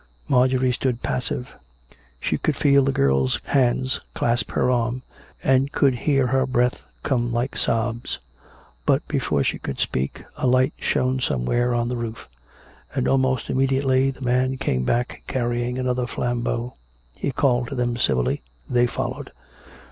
Marjorie stood passive; she could feel the girl's hands clasp her arm, and could hear her breath come like sobs. But before she could speak, a light shone somewhere on the roof; and almost immediately the man came back carrying another flambeau. He called to them civilly ; they followed.